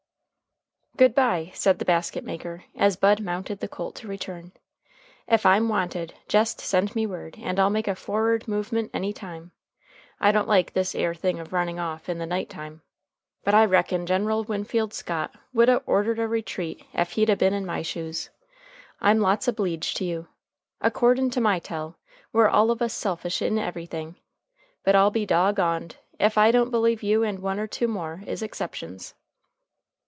"Good by," said the basket maker, as Bud mounted the colt to return. "Ef I'm wanted jest send me word, and I'll make a forrard movement any time. I don't like this 'ere thing of running off in the night time. But I reckon General Winfield Scott would a ordered a retreat ef he'd a been in my shoes. I'm lots obleeged to you. Akordin' to my tell, we're all of us selfish in everything; but I'll be dog on'd ef I don't believe you and one or two more is exceptions."